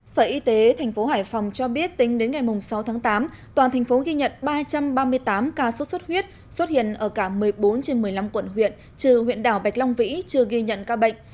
sở y tế tp hải phòng cho biết tính đến ngày sáu tháng tám toàn thành phố ghi nhận ba trăm ba mươi tám ca sốt xuất huyết xuất hiện ở cả một mươi bốn trên một mươi năm quận huyện trừ huyện đảo bạch long vĩ chưa ghi nhận ca bệnh